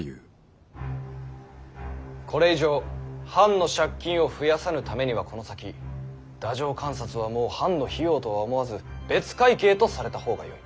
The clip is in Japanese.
これ以上藩の借金を増やさぬためにはこの先太政官札はもう藩の費用とは思わず別会計とされた方がよい。